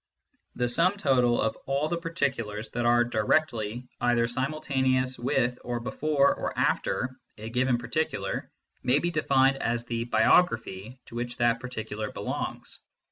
The sum total of all the particulars that are (directly) either simultaneous with or before or after a given par ticular may be defined as the " biography " to which that particular belongs.